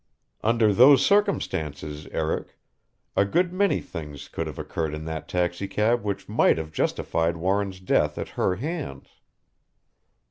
Under those circumstances, Eric a good many things could have occurred in that taxicab which might have justified Warren's death at her hands."